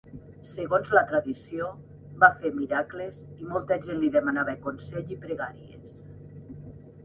Segons la tradició, va fer miracles i molta gent li demanava consell i pregàries.